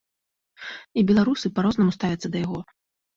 І беларусы па-рознаму ставяцца да яго.